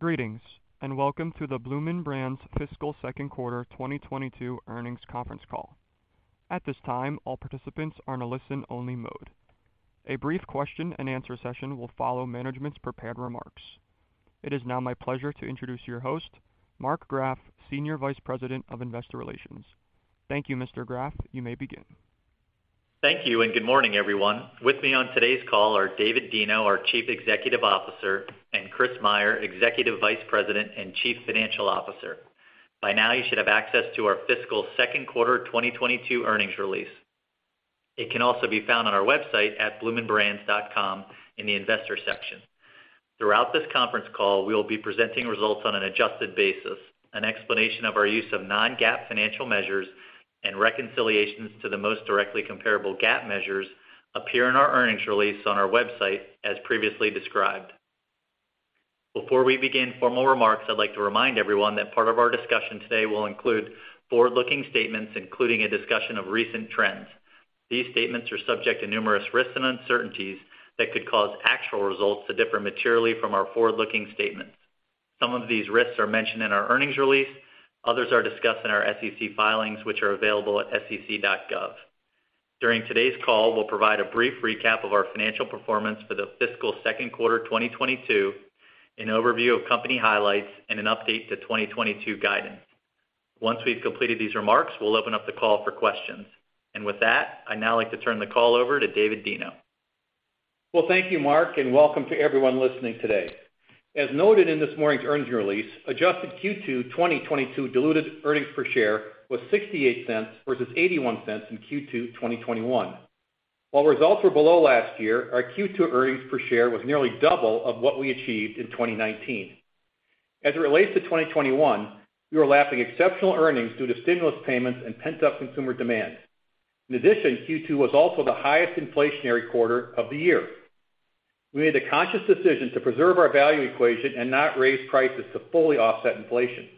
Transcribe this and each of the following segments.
Greetings, and welcome to the Bloomin' Brands fiscal second quarter 2022 earnings conference call. At this time, all participants are in a listen-only mode. A brief question-and-answer session will follow management's prepared remarks. It is now my pleasure to introduce your host, Mark Graff, Senior Vice President of Investor Relations. Thank you, Mr. Graff. You may begin. Thank you, and good morning, everyone. With me on today's call are David Deno, our Chief Executive Officer, and Chris Meyer, Executive Vice President and Chief Financial Officer. By now, you should have access to our fiscal second quarter 2022 earnings release. It can also be found on our website at bloominbrands.com in the Investor section. Throughout this conference call, we will be presenting results on an adjusted basis. An explanation of our use of non-GAAP financial measures and reconciliations to the most directly comparable GAAP measures appear in our earnings release on our website, as previously described. Before we begin formal remarks, I'd like to remind everyone that part of our discussion today will include forward-looking statements, including a discussion of recent trends. These statements are subject to numerous risks and uncertainties that could cause actual results to differ materially from our forward-looking statements. Some of these risks are mentioned in our earnings release. Others are discussed in our SEC filings, which are available at sec.gov. During today's call, we'll provide a brief recap of our financial performance for the fiscal second quarter 2022, an overview of company highlights, and an update to 2022 guidance. Once we've completed these remarks, we'll open up the call for questions. With that, I'd now like to turn the call over to David Deno. Well, thank you, Mark, and welcome to everyone listening today. As noted in this morning's earnings release, adjusted Q2 2022 diluted earnings per share was $0.68 versus $0.81 in Q2 2021. While results were below last year, our Q2 earnings per share was nearly double of what we achieved in 2019. As it relates to 2021, we were lapping exceptional earnings due to stimulus payments and pent-up consumer demand. In addition, Q2 was also the highest inflationary quarter of the year. We made the conscious decision to preserve our value equation and not raise prices to fully offset inflation.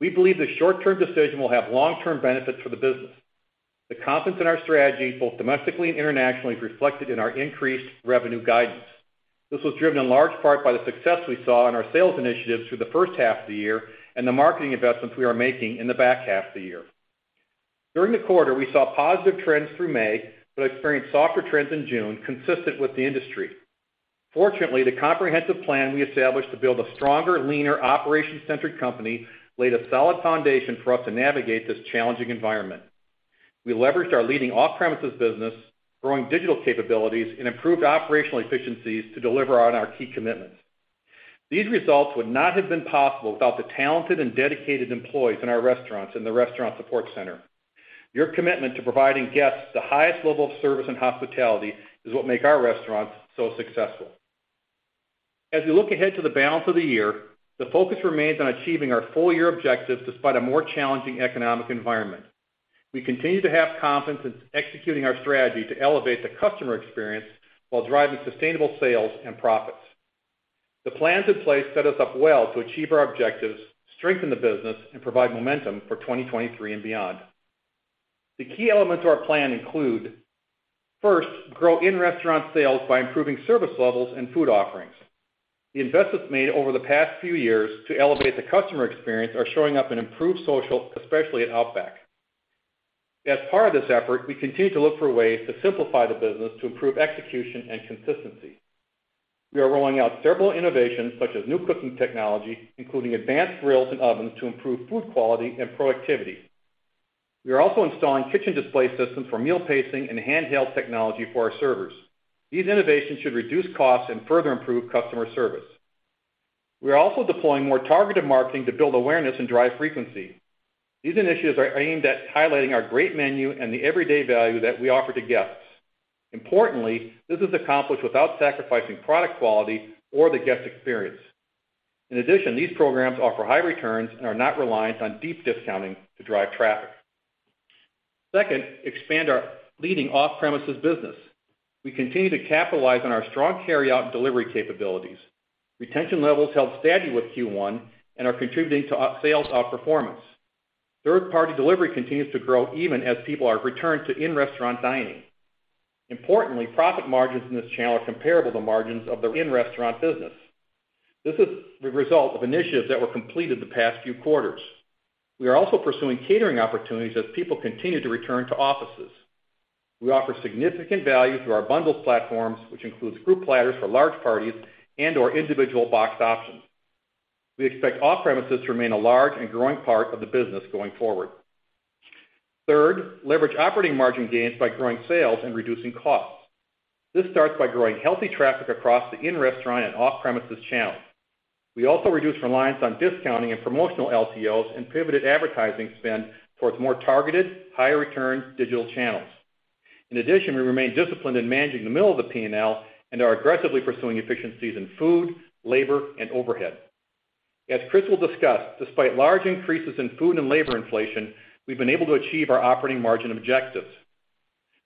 We believe the short-term decision will have long-term benefits for the business. The confidence in our strategy, both domestically and internationally, is reflected in our increased revenue guidance. This was driven in large part by the success we saw in our sales initiatives through the first half of the year and the marketing investments we are making in the back half of the year. During the quarter, we saw positive trends through May, but experienced softer trends in June, consistent with the industry. Fortunately, the comprehensive plan we established to build a stronger, leaner, operation-centric company laid a solid foundation for us to navigate this challenging environment. We leveraged our leading off-premises business, growing digital capabilities, and improved operational efficiencies to deliver on our key commitments. These results would not have been possible without the talented and dedicated employees in our restaurants and the Restaurant Support Center. Your commitment to providing guests the highest level of service and hospitality is what make our restaurants so successful. As we look ahead to the balance of the year, the focus remains on achieving our full-year objectives despite a more challenging economic environment. We continue to have confidence in executing our strategy to elevate the customer experience while driving sustainable sales and profits. The plans in place set us up well to achieve our objectives, strengthen the business, and provide momentum for 2023 and beyond. The key elements of our plan include: first, grow in-restaurant sales by improving service levels and food offerings. The investments made over the past few years to elevate the customer experience are showing up in improved social, especially at Outback. As part of this effort, we continue to look for ways to simplify the business to improve execution and consistency. We are rolling out several innovations, such as new cooking technology, including advanced grills and ovens to improve food quality and productivity. We are also installing kitchen display systems for meal pacing and handheld technology for our servers. These innovations should reduce costs and further improve customer service. We are also deploying more targeted marketing to build awareness and drive frequency. These initiatives are aimed at highlighting our great menu and the everyday value that we offer to guests. Importantly, this is accomplished without sacrificing product quality or the guest experience. In addition, these programs offer high returns and are not reliant on deep discounting to drive traffic. Second, expand our leading off-premises business. We continue to capitalize on our strong carryout and delivery capabilities. Retention levels held steady with Q1 and are contributing to our sales outperformance. Third-party delivery continues to grow even as people are returned to in-restaurant dining. Importantly, profit margins in this channel are comparable to margins of the in-restaurant business. This is the result of initiatives that were completed the past few quarters. We are also pursuing catering opportunities as people continue to return to offices. We offer significant value through our bundled platforms, which includes group platters for large parties and/or individual box options. We expect off-premises to remain a large and growing part of the business going forward. Third, leverage operating margin gains by growing sales and reducing costs. This starts by growing healthy traffic across the in-restaurant and off-premises channels. We also reduce reliance on discounting and promotional LTOs and pivoted advertising spend towards more targeted, higher return digital channels. In addition, we remain disciplined in managing the middle of the P&L and are aggressively pursuing efficiencies in food, labor, and overhead. As Chris will discuss, despite large increases in food and labor inflation, we've been able to achieve our operating margin objectives.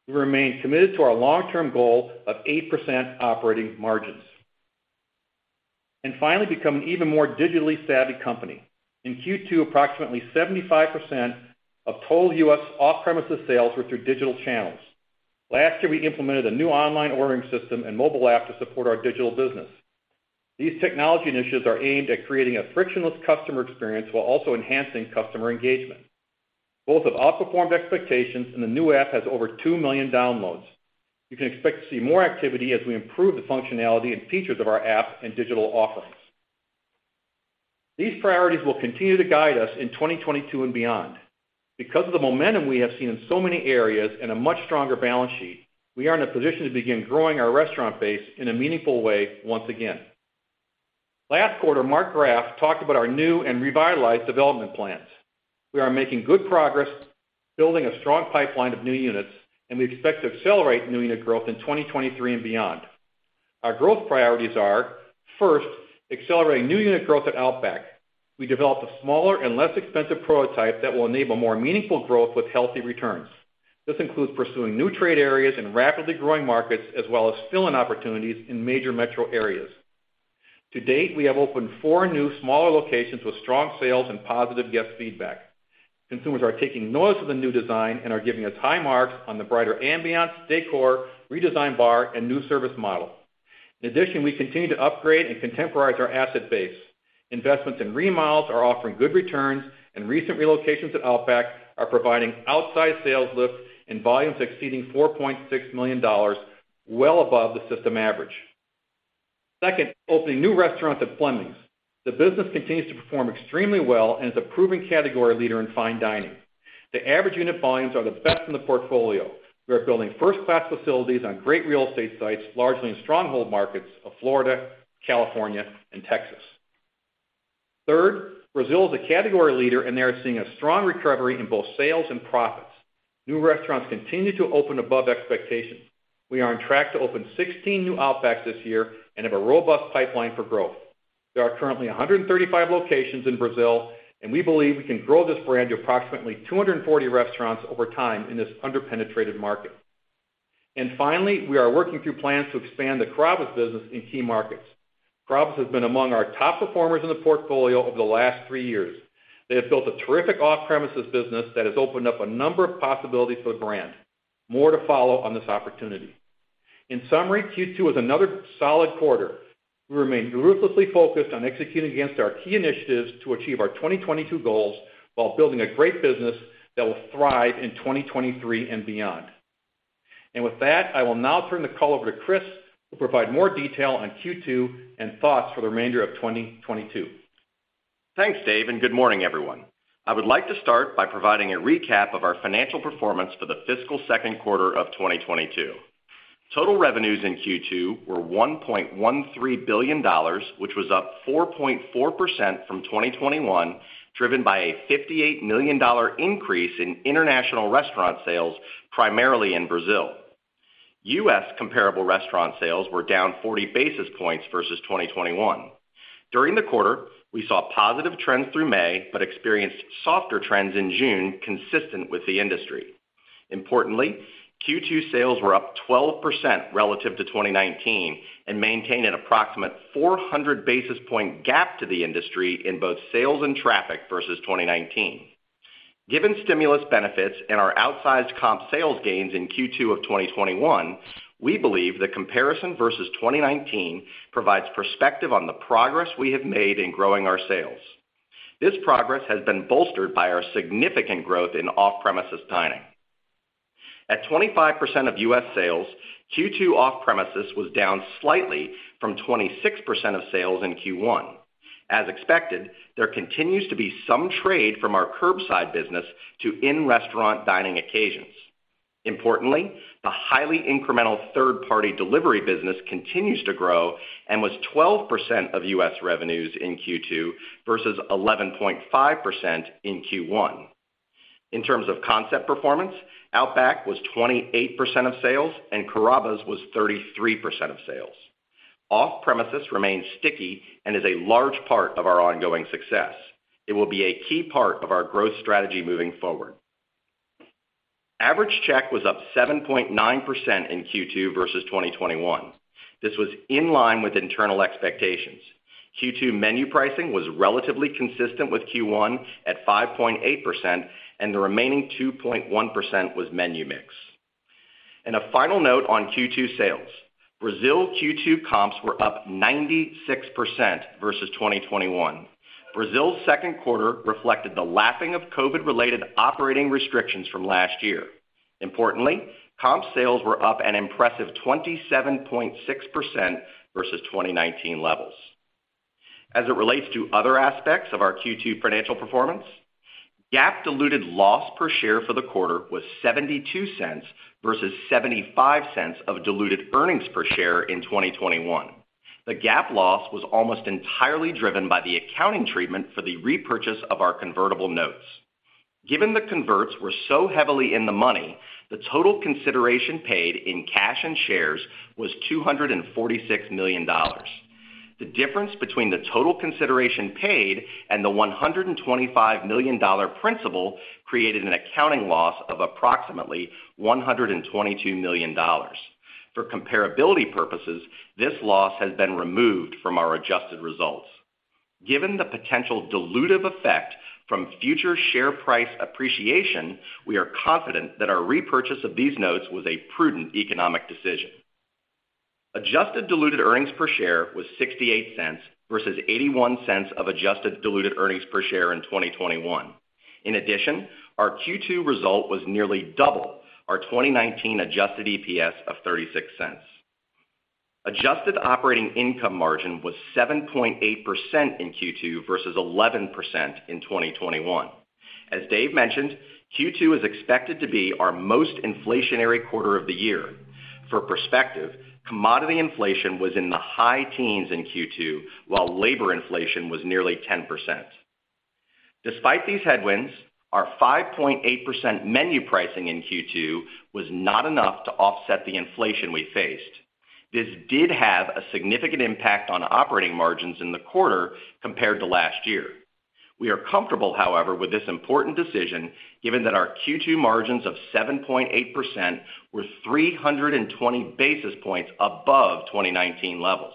We remain committed to our long-term goal of 8% operating margins. Finally, become an even more digitally savvy company. In Q2, approximately 75% of total U.S. off-premises sales were through digital channels. Last year, we implemented a new online ordering system and mobile app to support our digital business. These technology initiatives are aimed at creating a frictionless customer experience while also enhancing customer engagement. Both have outperformed expectations, and the new app has over 2 million downloads. You can expect to see more activity as we improve the functionality and features of our app and digital offerings. These priorities will continue to guide us in 2022 and beyond. Because of the momentum we have seen in so many areas and a much stronger balance sheet, we are in a position to begin growing our restaurant base in a meaningful way once again. Last quarter, Mark Graff talked about our new and revitalized development plans. We are making good progress building a strong pipeline of new units, and we expect to accelerate new unit growth in 2023 and beyond. Our growth priorities are: first, accelerating new unit growth at Outback. We developed a smaller and less expensive prototype that will enable more meaningful growth with healthy returns. This includes pursuing new trade areas in rapidly growing markets as well as fill-in opportunities in major metro areas. To date, we have opened four new smaller locations with strong sales and positive guest feedback. Consumers are taking notice of the new design and are giving us high marks on the brighter ambiance, decor, redesigned bar, and new service model. In addition, we continue to upgrade and contemporize our asset base. Investments in remodels are offering good returns, and recent relocations at Outback are providing outside sales lifts and volumes exceeding $4.6 million, well above the system average. Second, opening new restaurants at Fleming's. The business continues to perform extremely well and is a proven category leader in fine dining. The average unit volumes are the best in the portfolio. We are building first-class facilities on great real estate sites, largely in stronghold markets of Florida, California, and Texas. Third, Brazil is a category leader, and they are seeing a strong recovery in both sales and profits. New restaurants continue to open above expectations. We are on track to open 16 new Outbacks this year and have a robust pipeline for growth. There are currently 135 locations in Brazil, and we believe we can grow this brand to approximately 240 restaurants over time in this under-penetrated market. Finally, we are working through plans to expand the Carrabba's business in key markets. Carrabba's has been among our top performers in the portfolio over the last three years. They have built a terrific off-premises business that has opened up a number of possibilities for the brand. More to follow on this opportunity. In summary, Q2 was another solid quarter. We remain ruthlessly focused on executing against our key initiatives to achieve our 2022 goals while building a great business that will thrive in 2023 and beyond. With that, I will now turn the call over to Chris, who will provide more detail on Q2 and thoughts for the remainder of 2022. Thanks, Dave, and good morning, everyone. I would like to start by providing a recap of our financial performance for the fiscal second quarter of 2022. Total revenues in Q2 were $1.13 billion, which was up 4.4% from 2021, driven by a $58 million increase in international restaurant sales, primarily in Brazil. U.S. comparable restaurant sales were down 40 basis points versus 2021. During the quarter, we saw positive trends through May but experienced softer trends in June, consistent with the industry. Importantly, Q2 sales were up 12% relative to 2019 and maintained an approximate 400 basis point gap to the industry in both sales and traffic versus 2019. Given stimulus benefits and our outsized comp sales gains in Q2 of 2021, we believe the comparison versus 2019 provides perspective on the progress we have made in growing our sales. This progress has been bolstered by our significant growth in off-premises dining. At 25% of U.S. sales, Q2 off-premises was down slightly from 26% of sales in Q1. As expected, there continues to be some trade from our curbside business to in-restaurant dining occasions. Importantly, the highly incremental third-party delivery business continues to grow and was 12% of U.S. revenues in Q2 versus 11.5% in Q1. In terms of concept performance, Outback was 28% of sales and Carrabba's was 33% of sales. Off-premises remains sticky and is a large part of our ongoing success. It will be a key part of our growth strategy moving forward. Average check was up 7.9% in Q2 versus 2021. This was in line with internal expectations. Q2 menu pricing was relatively consistent with Q1 at 5.8%, and the remaining 2.1% was menu mix. In a final note on Q2 sales, Brazil Q2 comps were up 96% versus 2021. Brazil's second quarter reflected the lapping of COVID-related operating restrictions from last year. Importantly, comp sales were up an impressive 27.6% versus 2019 levels. As it relates to other aspects of our Q2 financial performance, GAAP diluted loss per share for the quarter was $0.72 versus $0.75 of diluted earnings per share in 2021. The GAAP loss was almost entirely driven by the accounting treatment for the repurchase of our convertible notes. Given the converts were so heavily in the money, the total consideration paid in cash and shares was $246 million. The difference between the total consideration paid and the $125 million principal created an accounting loss of approximately $122 million. For comparability purposes, this loss has been removed from our adjusted results. Given the potential dilutive effect from future share price appreciation, we are confident that our repurchase of these notes was a prudent economic decision. Adjusted diluted earnings per share was $0.68 versus $0.81 of adjusted diluted earnings per share in 2021. In addition, our Q2 result was nearly double our 2019 adjusted EPS of $0.36. Adjusted operating income margin was 7.8% in Q2 versus 11% in 2021. As Dave mentioned, Q2 is expected to be our most inflationary quarter of the year. For perspective, commodity inflation was in the high teens in Q2, while labor inflation was nearly 10%. Despite these headwinds, our 5.8% menu pricing in Q2 was not enough to offset the inflation we faced. This did have a significant impact on operating margins in the quarter compared to last year. We are comfortable, however, with this important decision, given that our Q2 margins of 7.8% were 320 basis points above 2019 levels.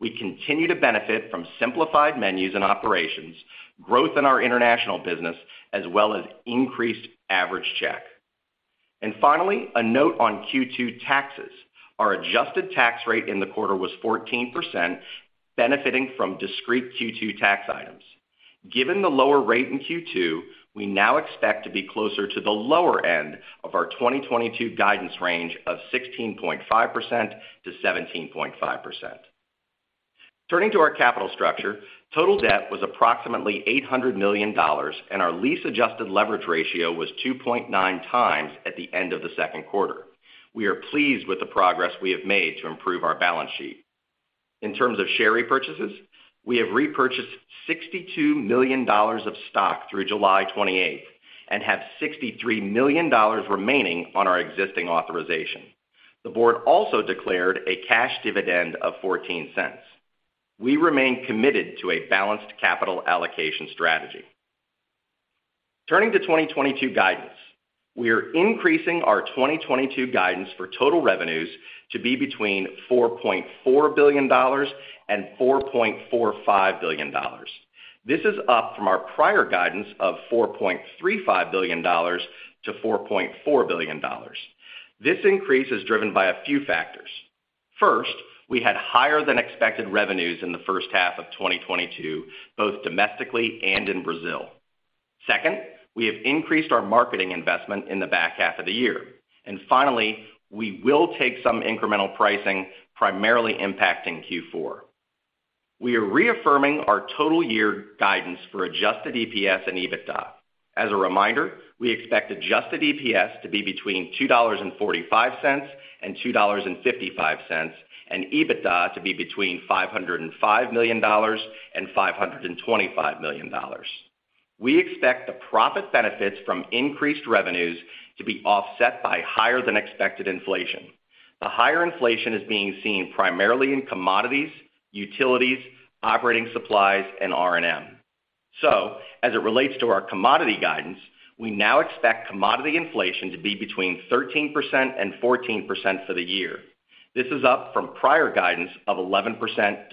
We continue to benefit from simplified menus and operations, growth in our international business, as well as increased average check. Finally, a note on Q2 taxes. Our adjusted tax rate in the quarter was 14%, benefiting from discrete Q2 tax items. Given the lower rate in Q2, we now expect to be closer to the lower end of our 2022 guidance range of 16.5%-17.5%. Turning to our capital structure, total debt was approximately $800 million, and our lease adjusted leverage ratio was 2.9x at the end of the second quarter. We are pleased with the progress we have made to improve our balance sheet. In terms of share repurchases, we have repurchased $62 million of stock through July 28 and have $63 million remaining on our existing authorization. The board also declared a cash dividend of $0.14. We remain committed to a balanced capital allocation strategy. Turning to 2022 guidance. We are increasing our 2022 guidance for total revenues to be between $4.4 billion and $4.45 billion. This is up from our prior guidance of $4.35 billion to $4.4 billion. This increase is driven by a few factors. First, we had higher than expected revenues in the first half of 2022, both domestically and in Brazil. Second, we have increased our marketing investment in the back half of the year. And finally, we will take some incremental pricing, primarily impacting Q4. We are reaffirming our total year guidance for adjusted EPS and EBITDA. As a reminder, we expect adjusted EPS to be between $2.45 and $2.55, and EBITDA to be between $505 million and $525 million. We expect the profit benefits from increased revenues to be offset by higher than expected inflation. The higher inflation is being seen primarily in commodities, utilities, operating supplies, and R&M. As it relates to our commodity guidance, we now expect commodity inflation to be between 13% and 14% for the year. This is up from prior guidance of 11%-13%.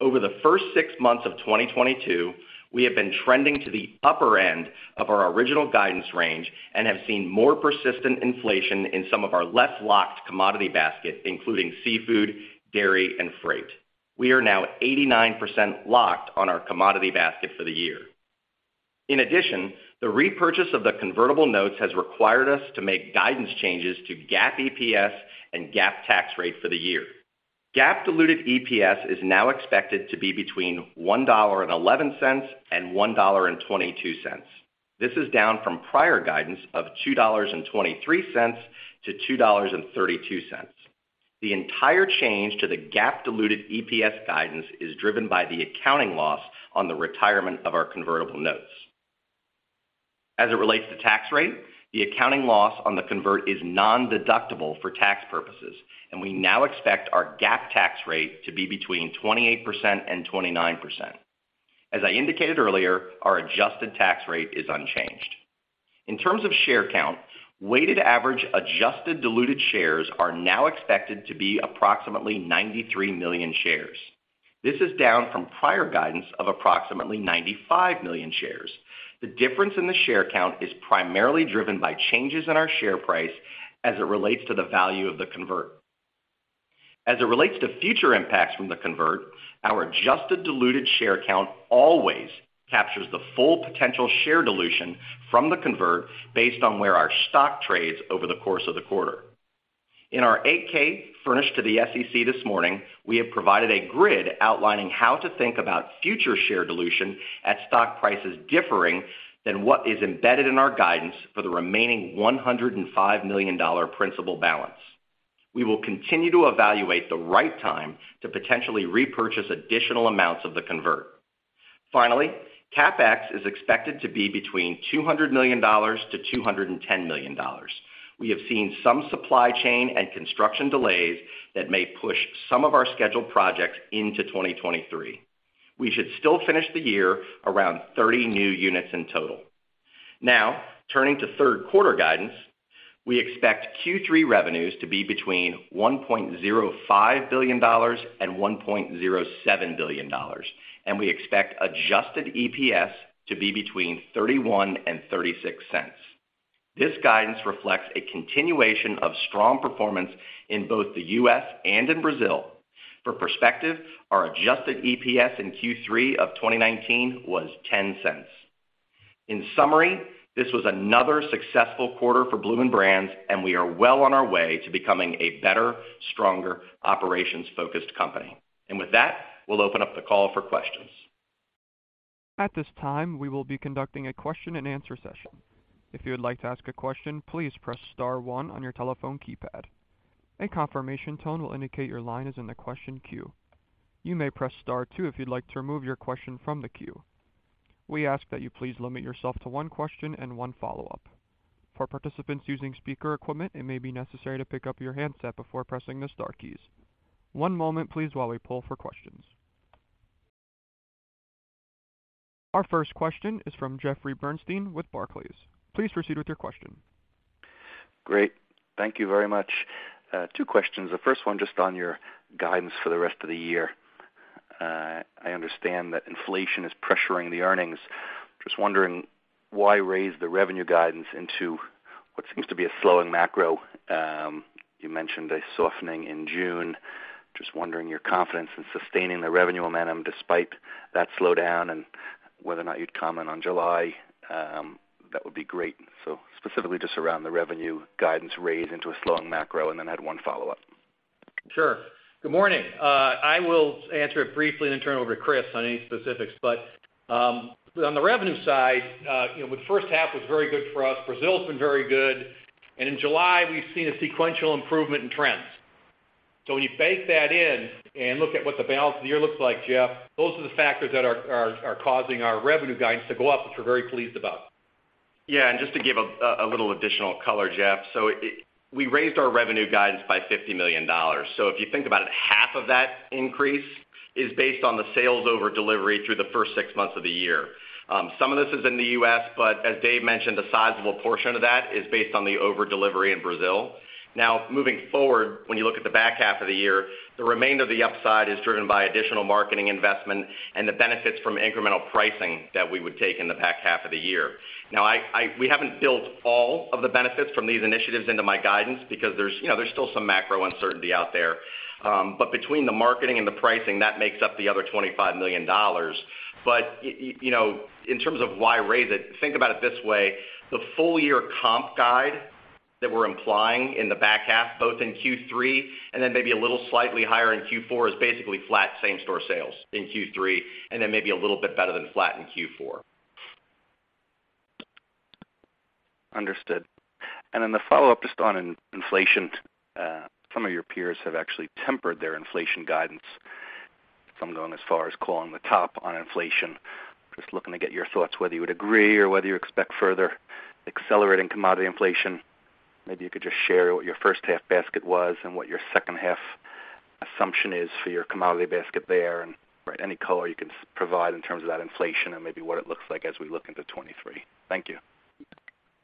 Over the first six months of 2022, we have been trending to the upper end of our original guidance range and have seen more persistent inflation in some of our less locked commodity basket, including seafood, dairy, and freight. We are now 89% locked on our commodity basket for the year. In addition, the repurchase of the convertible notes has required us to make guidance changes to GAAP EPS and GAAP tax rate for the year. GAAP diluted EPS is now expected to be between $1.11 and $1.22. This is down from prior guidance of $2.23-$2.32. The entire change to the GAAP diluted EPS guidance is driven by the accounting loss on the retirement of our convertible notes. As it relates to tax rate, the accounting loss on the convert is nondeductible for tax purposes, and we now expect our GAAP tax rate to be between 28% and 29%. As I indicated earlier, our adjusted tax rate is unchanged. In terms of share count, weighted average adjusted diluted shares are now expected to be approximately 93 million shares. This is down from prior guidance of approximately 95 million shares. The difference in the share count is primarily driven by changes in our share price as it relates to the value of the convert. As it relates to future impacts from the convert, our adjusted diluted share count always captures the full potential share dilution from the convert based on where our stock trades over the course of the quarter. In our 8-K furnished to the SEC this morning, we have provided a grid outlining how to think about future share dilution at stock prices differing than what is embedded in our guidance for the remaining $105 million principal balance. We will continue to evaluate the right time to potentially repurchase additional amounts of the convert. Finally, CapEx is expected to be between $200 million to $210 million. We have seen some supply chain and construction delays that may push some of our scheduled projects into 2023. We should still finish the year around 30 new units in total. Now turning to third quarter guidance. We expect Q3 revenues to be between $1.05 billion and $1.07 billion, and we expect adjusted EPS to be between $0.31 and $0.36. This guidance reflects a continuation of strong performance in both the U.S. and in Brazil. For perspective, our adjusted EPS in Q3 of 2019 was $0.10. In summary, this was another successful quarter for Bloomin' Brands, and we are well on our way to becoming a better, stronger, operations focused company. With that, we'll open up the call for questions. At this time, we will be conducting a question-and-answer session. If you would like to ask a question, please press star one on your telephone keypad. A confirmation tone will indicate your line is in the question queue. You may press star two if you'd like to remove your question from the queue. We ask that you please limit yourself to one question and one follow-up. For participants using speaker equipment, it may be necessary to pick up your handset before pressing the star keys. One moment please while we pull for questions. Our first question is from Jeffrey Bernstein with Barclays. Please proceed with your question. Great. Thank you very much. Two questions. The first one just on your guidance for the rest of the year. I understand that inflation is pressuring the earnings. Just wondering why raise the revenue guidance into what seems to be a slowing macro. You mentioned a softening in June. Just wondering your confidence in sustaining the revenue momentum despite that slowdown and whether or not you'd comment on July. That would be great. Specifically just around the revenue guidance raise into a slowing macro, and then I had one follow-up. Sure. Good morning. I will answer it briefly and then turn it over to Chris on any specifics. On the revenue side, you know, the first half was very good for us. Brazil's been very good, and in July, we've seen a sequential improvement in trends. When you bake that in and look at what the balance of the year looks like, Jeff, those are the factors that are causing our revenue guidance to go up, which we're very pleased about. Yeah. Just to give a little additional color, Jeff. We raised our revenue guidance by $50 million. If you think about it, half of that increase is based on the sales over delivery through the first six months of the year. Some of this is in the U.S., but as Dave mentioned, a sizable portion of that is based on the over delivery in Brazil. Now, moving forward, when you look at the back half of the year, the remainder of the upside is driven by additional marketing investment and the benefits from incremental pricing that we would take in the back half of the year. We haven't built all of the benefits from these initiatives into my guidance because there's, you know, there's still some macro uncertainty out there. But between the marketing and the pricing, that makes up the other $25 million. You know, in terms of why raise it, think about it this way. The full year comp guide that we're implying in the back half, both in Q3 and then maybe a little slightly higher in Q4, is basically flat same-store sales in Q3 and then maybe a little bit better than flat in Q4. Understood. Then the follow-up just on inflation. Some of your peers have actually tempered their inflation guidance. Some going as far as calling the top on inflation. Just looking to get your thoughts, whether you would agree or whether you expect further accelerating commodity inflation. Maybe you could just share what your first half basket was and what your second half assumption is for your commodity basket there and any color you can provide in terms of that inflation and maybe what it looks like as we look into 2023. Thank you.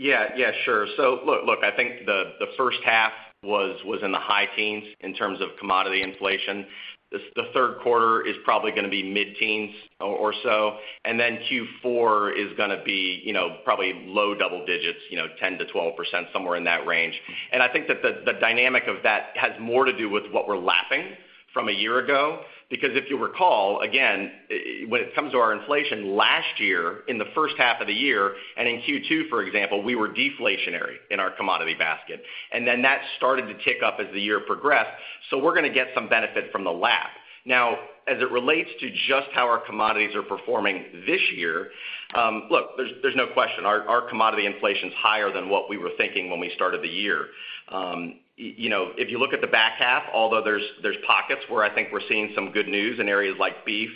Yeah. Yeah, sure. Look, I think the first half was in the high teens in terms of commodity inflation. The third quarter is probably gonna be mid-teens or so, and then Q4 is gonna be, you know, probably low double digits, you know, 10%-12%, somewhere in that range. I think that the dynamic of that has more to do with what we're lapping from a year ago. Because if you recall, again, when it comes to our inflation last year in the first half of the year and in Q2, for example, we were deflationary in our commodity basket, and then that started to tick up as the year progressed. We're gonna get some benefit from the lap. Now, as it relates to just how our commodities are performing this year, look, there's no question our commodity inflation's higher than what we were thinking when we started the year. You know, if you look at the back half, although there's pockets where I think we're seeing some good news in areas like beef,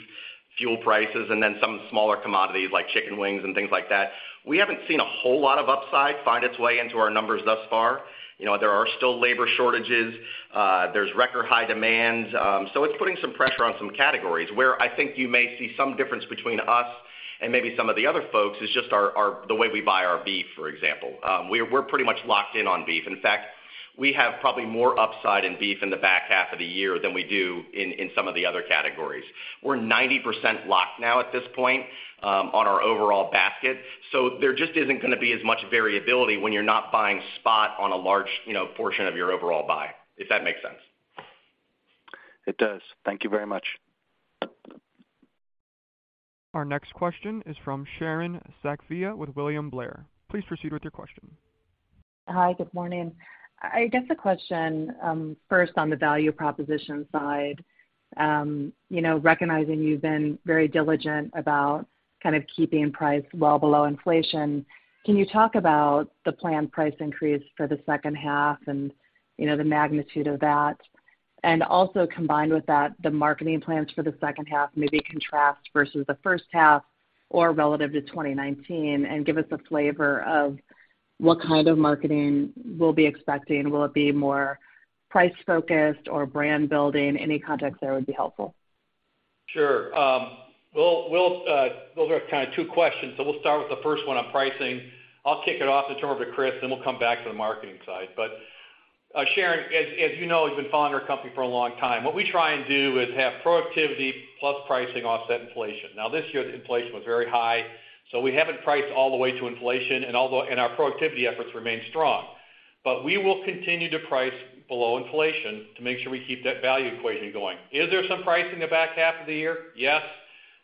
fuel prices, and then some smaller commodities like chicken wings and things like that. We haven't seen a whole lot of upside find its way into our numbers thus far. You know, there are still labor shortages. There's record high demand. It's putting some pressure on some categories. Where I think you may see some difference between us and maybe some of the other folks is just the way we buy our beef, for example. We're pretty much locked in on beef. In fact, we have probably more upside in beef in the back half of the year than we do in some of the other categories. We're 90% locked now at this point on our overall basket. There just isn't gonna be as much variability when you're not buying spot on a large, you know, portion of your overall buy, if that makes sense. It does. Thank you very much. Our next question is from Sharon Zackfia with William Blair. Please proceed with your question. Hi. Good morning. I guess a question first on the value proposition side. You know, recognizing you've been very diligent about kind of keeping price well below inflation, can you talk about the planned price increase for the second half and, you know, the magnitude of that? Also combined with that, the marketing plans for the second half maybe contrast versus the first half or relative to 2019, and give us a flavor of what kind of marketing we'll be expecting. Will it be more price focused or brand building? Any context there would be helpful. Sure. Those are kind of two questions. We'll start with the first one on pricing. I'll kick it off and turn over to Chris, then we'll come back to the marketing side. Sharon, as you know, you've been following our company for a long time. What we try and do is have productivity plus pricing offset inflation. Now, this year, the inflation was very high, so we haven't priced all the way to inflation, and our productivity efforts remain strong. We will continue to price below inflation to make sure we keep that value equation going. Is there some pricing the back half of the year? Yes.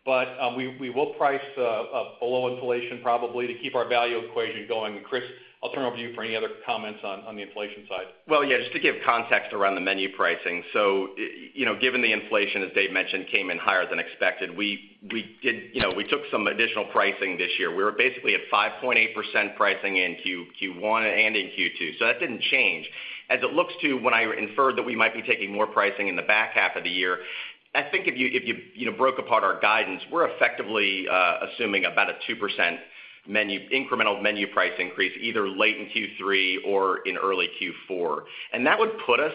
We will price below inflation probably to keep our value equation going. Chris, I'll turn over to you for any other comments on the inflation side. Well, yeah, just to give context around the menu pricing. You know, given the inflation, as Dave mentioned, came in higher than expected, we did, you know, we took some additional pricing this year. We were basically at 5.8% pricing in Q1 and in Q2, so that didn't change. As it looks to when I inferred that we might be taking more pricing in the back half of the year, I think if you know broke apart our guidance, we're effectively assuming about a 2% menu incremental menu price increase either late in Q3 or in early Q4. That would put us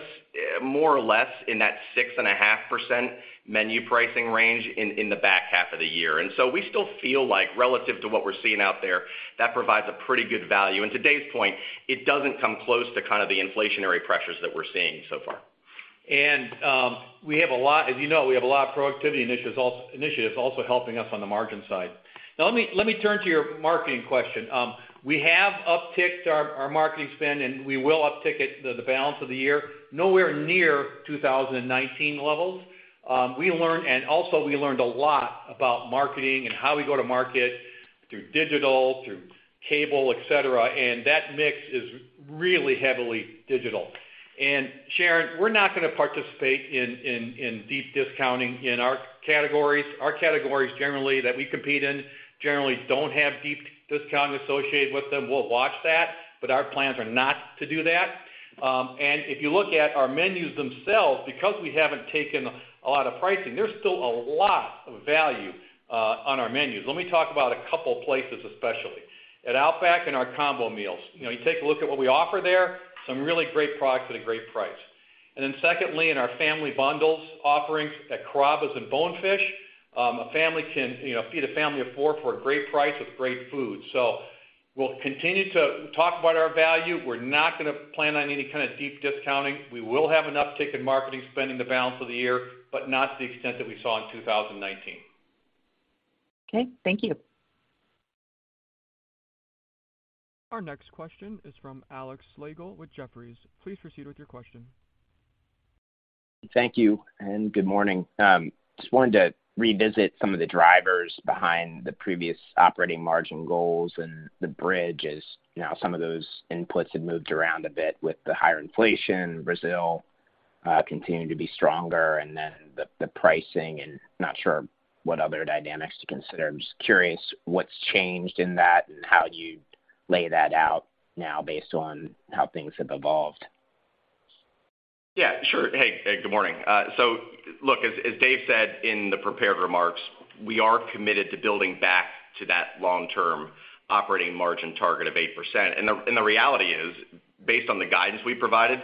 more or less in that 6.5% menu pricing range in the back half of the year. We still feel like relative to what we're seeing out there, that provides a pretty good value. To Dave's point, it doesn't come close to kind of the inflationary pressures that we're seeing so far. As you know, we have a lot of productivity initiatives also helping us on the margin side. Now let me turn to your marketing question. We have upticked our marketing spend, and we will uptick it for the balance of the year, nowhere near 2019 levels. We learned a lot about marketing and how we go to market through digital, through cable, et cetera, and that mix is really heavily digital. Sharon, we're not gonna participate in deep discounting in our categories. Our categories generally that we compete in generally don't have deep discount associated with them. We'll watch that, but our plans are not to do that. If you look at our menus themselves, because we haven't taken a lot of pricing, there's still a lot of value on our menus. Let me talk about a couple places, especially. At Outback in our combo meals, you know, you take a look at what we offer there, some really great products at a great price. Then secondly, in our family bundles offerings at Carrabba's and Bonefish, a family can, you know, feed a family of four for a great price with great food. We'll continue to talk about our value. We're not gonna plan on any kind of deep discounting. We will have an uptick in marketing spending the balance of the year, but not to the extent that we saw in 2019. Okay, thank you. Our next question is from Alex Slagle with Jefferies. Please proceed with your question. Thank you, and good morning. Just wanted to revisit some of the drivers behind the previous operating margin goals and the bridge as, you know, some of those inputs have moved around a bit with the higher inflation, Brazil continuing to be stronger and then the pricing and not sure what other dynamics to consider. I'm just curious what's changed in that and how you lay that out now based on how things have evolved? Yeah, sure. Hey, good morning. So look, as Dave said in the prepared remarks, we are committed to building back to that long-term operating margin target of 8%. The reality is, based on the guidance we provided,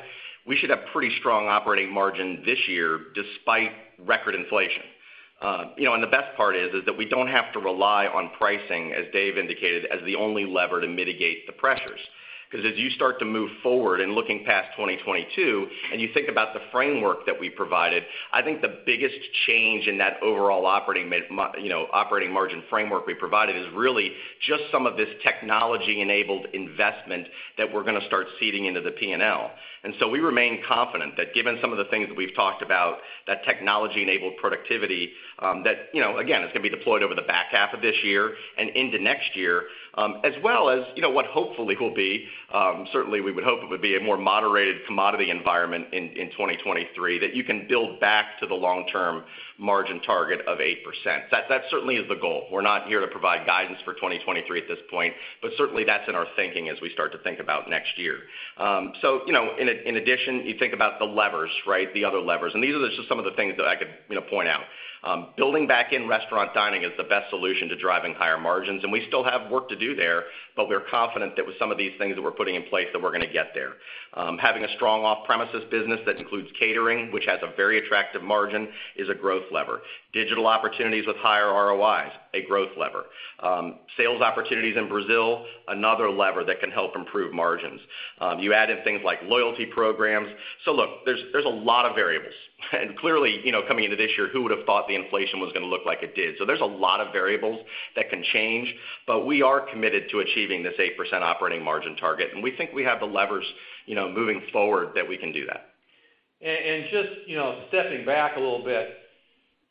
we should have pretty strong operating margin this year despite record inflation. You know, the best part is that we don't have to rely on pricing, as Dave indicated, as the only lever to mitigate the pressures. Because as you start to move forward in looking past 2022, and you think about the framework that we provided, I think the biggest change in that overall operating margin framework we provided is really just some of this technology-enabled investment that we're gonna start seeding into the P&L. We remain confident that given some of the things that we've talked about, that technology-enabled productivity, that, you know, again, is gonna be deployed over the back half of this year and into next year, as well as, you know, what hopefully will be, certainly we would hope it would be a more moderated commodity environment in 2023, that you can build back to the long-term margin target of 8%. That certainly is the goal. We're not here to provide guidance for 2023 at this point, but certainly that's in our thinking as we start to think about next year. So, you know, in addition, you think about the levers, right? The other levers. These are just some of the things that I could, you know, point out. Building back in restaurant dining is the best solution to driving higher margins, and we still have work to do there, but we're confident that with some of these things that we're putting in place that we're gonna get there. Having a strong off-premises business that includes catering, which has a very attractive margin, is a growth lever. Digital opportunities with higher ROIs, a growth lever. Sales opportunities in Brazil, another lever that can help improve margins. You add in things like loyalty programs. Look, there's a lot of variables. Clearly, you know, coming into this year, who would have thought the inflation was gonna look like it did? There's a lot of variables that can change, but we are committed to achieving this 8% operating margin target, and we think we have the levers, you know, moving forward that we can do that. Just, you know, stepping back a little bit,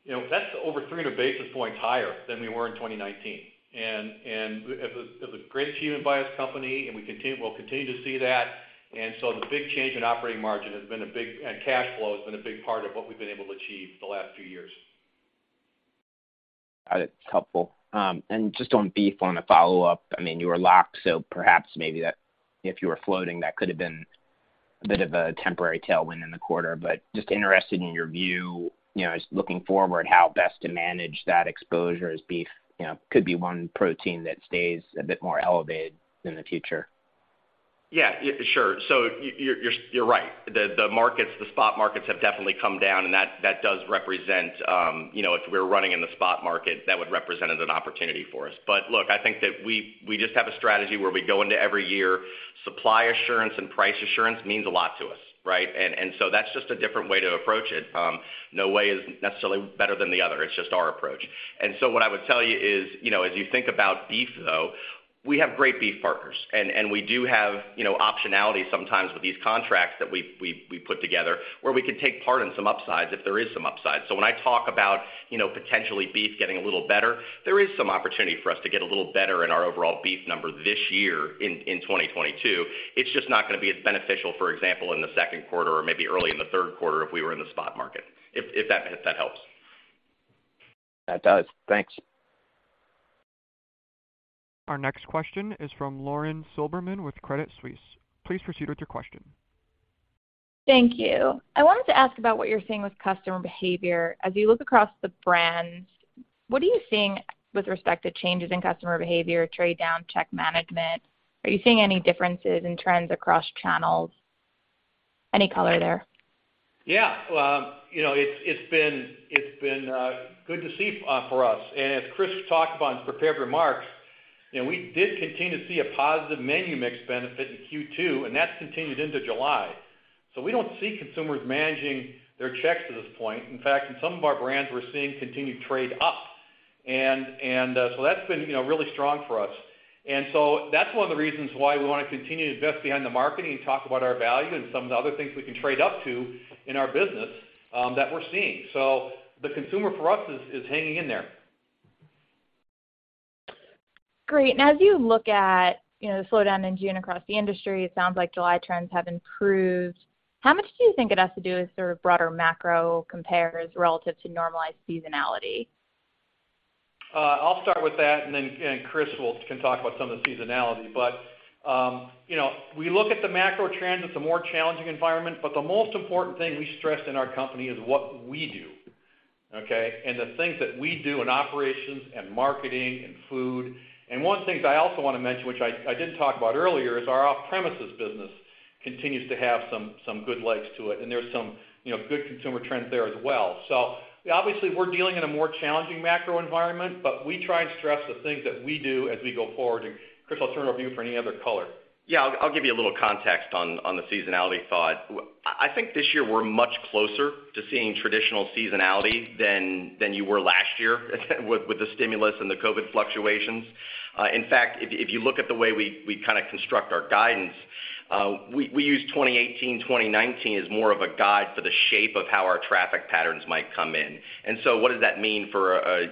you know, that's over 300 basis points higher than we were in 2019. It was a great achievement by this company, and we'll continue to see that. The big change in operating margin has been a big, and cash flow has been a big part of what we've been able to achieve the last few years. That's helpful. Just on beef on a follow-up, I mean, you were locked, so perhaps maybe that if you were floating, that could have been a bit of a temporary tailwind in the quarter. Just interested in your view, you know, just looking forward, how best to manage that exposure as beef, you know, could be one protein that stays a bit more elevated in the future. Yeah, sure. You're right. The markets- the spot markets have definitely come down, and that does represent, you know, if we're running in the spot market, that would represent an opportunity for us. Look, I think that we just have a strategy where we go into every year, supply assurance and price assurance means a lot to us, right? That's just a different way to approach it. No way is necessarily better than the other. It's just our approach. What I would tell you is, you know, as you think about beef, though, we have great beef partners, and we do have, you know, optionality sometimes with these contracts that we put together where we can take part in some upsides if there is some upside. When I talk about, you know, potentially beef getting a little better, there is some opportunity for us to get a little better in our overall beef number this year in 2022. It's just not gonna be as beneficial, for example, in the second quarter or maybe early in the third quarter if we were in the spot market, if that helps. That does. Thanks. Our next question is from Lauren Silberman with Credit Suisse. Please proceed with your question. Thank you. I wanted to ask about what you're seeing with customer behavior. As you look across the brands, what are you seeing with respect to changes in customer behavior, trade down, check management? Are you seeing any differences in trends across channels? Any color there? Yeah. You know, it's been good to see for us. As Chris talked about in his prepared remarks, you know, we did continue to see a positive menu mix benefit in Q2, and that's continued into July. We don't see consumers managing their checks at this point. In fact, in some of our brands, we're seeing continued trade up. That's been you know, really strong for us. That's one of the reasons why we wanna continue to invest behind the marketing and talk about our value and some of the other things we can trade up to in our business, that we're seeing. The consumer for us is hanging in there. Great. As you look at, you know, the slowdown in June across the industry, it sounds like July trends have improved. How much do you think it has to do with sort of broader macro compares relative to normalized seasonality? I'll start with that, and then Chris will talk about some of the seasonality. You know, we look at the macro trends, it's a more challenging environment, but the most important thing we stress in our company is what we do, okay? The things that we do in operations and marketing and food. One of the things I also wanna mention, which I didn't talk about earlier, is our off-premises business continues to have some good legs to it, and there's some, you know, good consumer trends there as well. Obviously, we're dealing in a more challenging macro environment, but we try and stress the things that we do as we go forward. Chris, I'll turn over to you for any other color. Yeah. I'll give you a little context on the seasonality thought. I think this year we're much closer to seeing traditional seasonality than you were last year with the stimulus and the COVID fluctuations. In fact, if you look at the way we kinda construct our guidance, we use 2018, 2019 as more of a guide for the shape of how our traffic patterns might come in. What does that mean for a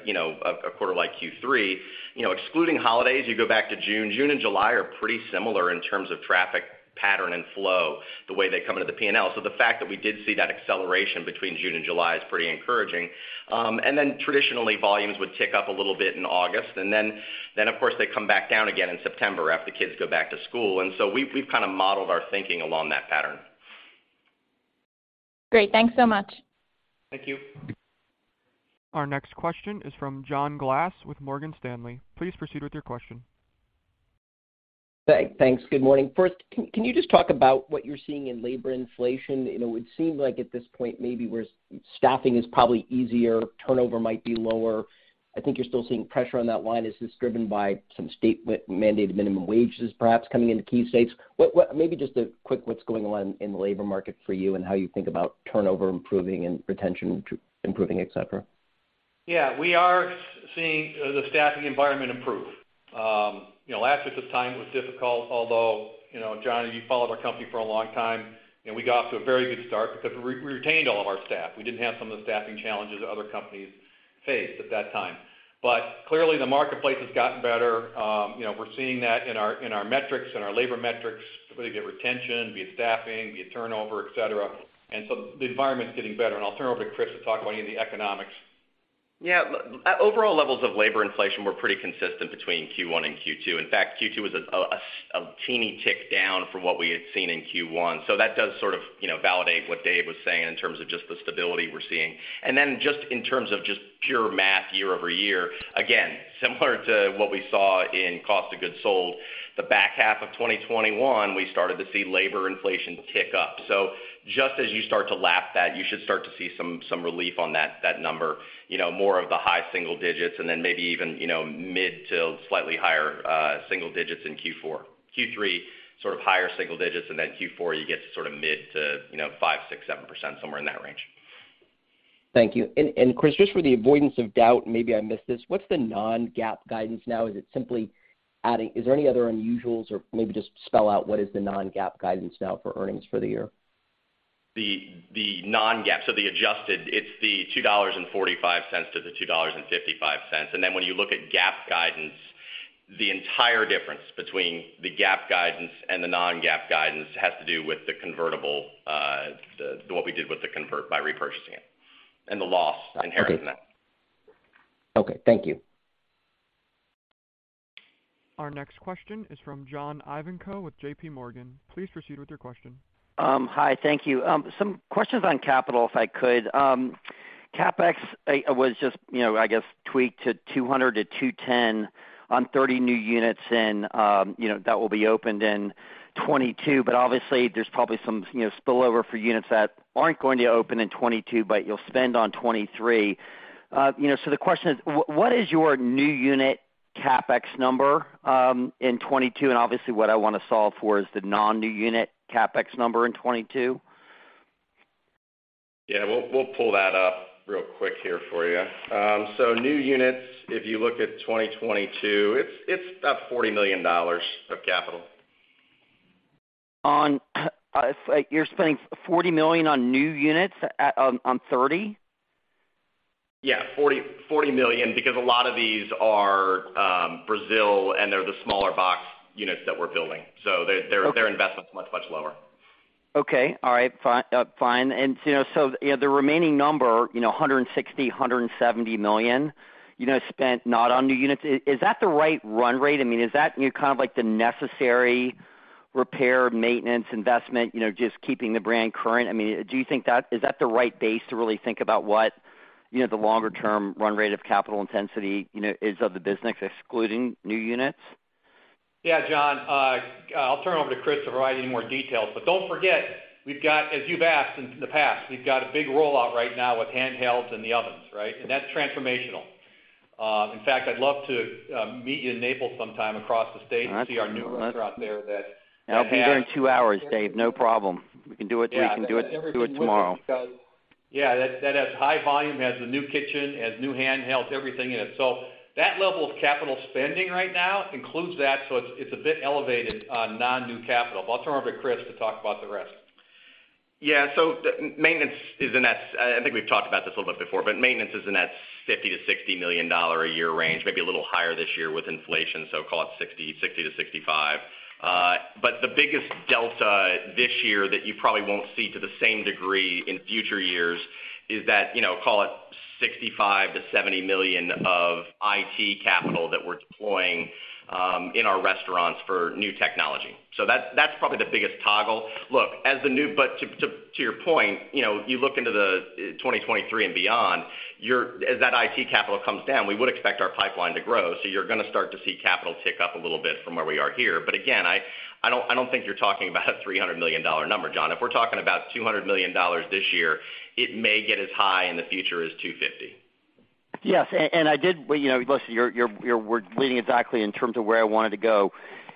quarter like Q3? You know, excluding holidays, you go back to June. June and July are pretty similar in terms of traffic pattern and flow, the way they come into the P&L. The fact that we did see that acceleration between June and July is pretty encouraging. Traditionally, volumes would tick up a little bit in August. Of course, they come back down again in September after the kids go back to school. We've kinda modeled our thinking along that pattern. Great. Thanks so much. Thank you. Our next question is from John Glass with Morgan Stanley. Please proceed with your question. Thanks. Good morning. First, can you just talk about what you're seeing in labor inflation? You know, it would seem like at this point, maybe where staffing is probably easier, turnover might be lower. I think you're still seeing pressure on that line. Is this driven by some state-mandated minimum wages perhaps coming into key states? What, maybe just a quick what's going on in the labor market for you and how you think about turnover improving and retention improving, et cetera? Yeah. We are seeing the staffing environment improve. You know, last year at this time it was difficult, although, you know, John, you've followed our company for a long time, and we got off to a very good start because we retained all of our staff. We didn't have some of the staffing challenges that other companies faced at that time. Clearly, the marketplace has gotten better. You know, we're seeing that in our metrics, in our labor metrics, whether you get retention, be it staffing, be it turnover, et cetera. The environment's getting better, and I'll turn over to Chris to talk about any of the economics. Yeah. Overall levels of labor inflation were pretty consistent between Q1 and Q2. In fact, Q2 was a teeny tick down from what we had seen in Q1. That does sort of, you know, validate what Dave was saying in terms of just the stability we're seeing. Just in terms of just pure math year-over-year, again, similar to what we saw in cost of goods sold, the back half of 2021, we started to see labor inflation tick up. Just as you start to lap that, you should start to see some relief on that number. You know, more of the high single digits and then maybe even, you know, mid to slightly higher single digits in Q4. Q3, sort of higher single digits, and then Q4, you get to sort of mid- to, you know, 5%, 6%, 7%, somewhere in that range. Thank you. Chris, just for the avoidance of doubt, and maybe I missed this, what's the non-GAAP guidance now? Is there any other unusuals or maybe just spell out what is the non-GAAP guidance now for earnings for the year? The non-GAAP, so the adjusted, it's the $2.45 to the $2.55. When you look at GAAP guidance, the entire difference between the GAAP guidance and the non-GAAP guidance has to do with the convertible, what we did with the convertible by repurchasing it and the loss inherent in that. Okay. Thank you. Our next question is from John Ivankoe with J.P. Morgan. Please proceed with your question. Hi. Thank you. Some questions on capital, if I could. CapEx, I was just, you know, I guess tweaked to $200 million to $210 million on 30 new units and, you know, that will be opened in 2022. Obviously there's probably some, you know, spillover for units that aren't going to open in 2022, but you'll spend on 2023. You know, the question is, what is your new unit CapEx number in 2022? And obviously, what I want to solve for is the non-new unit CapEx number in 2022. Yeah. We'll pull that up real quick here for you. So new units, if you look at 2022, it's about $40 million of capital. It's like you're spending $40 million on new units- on 30? Yeah, $40 million, because a lot of these are Brazil, and they're the smaller box units that we're building. Okay. Their investment's much, much lower. Okay. All right. Fine. You know, the remaining number, you know, $160 million, $170 million, you know, spent not on new units, is that the right run rate? I mean, is that, you know, kind of like the necessary repair, maintenance, investment, you know, just keeping the brand current? I mean, do you think that is the right base to really think about what, you know, the longer term run rate of capital intensity, you know, is of the business excluding new units? Yeah, John. I'll turn it over to Chris to provide any more detail. Don't forget, we've got, as you've asked in the past, a big rollout right now with handhelds and the ovens, right? That's transformational. In fact, I'd love to meet you in Naples sometime across the state. All right. Well, See our new restaurant there that has. I'll be there in two hours, David. No problem. We can do it. We can do it tomorrow. Everything with it because yeah, that has high volume, has the new kitchen, has new handhelds, everything in it. That level of capital spending right now includes that. It's a bit elevated on non-new capital. I'll turn over to Chris to talk about the rest. Yeah. The maintenance is in that $50 million-$60 million a year range, maybe a little higher this year with inflation, call it $60 million-$65 million. The biggest delta this year that you probably won't see to the same degree in future years is that, you know, call it $65 million-$70 million of IT capital that we're deploying in our restaurants for new technology. That's probably the biggest toggle. To your point, you know, you look into 2023 and beyond, as that IT capital comes down, we would expect our pipeline to grow. You're gonna start to see capital tick up a little bit from where we are here. Again, I don't think you're talking about a $300 million number, John. If we're talking about $200 million this year, it may get as high in the future as $250 million. Yes. I did, well, you know, listen, you're, we're leading exactly in terms of where I wanted to go.